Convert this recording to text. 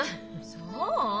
そう？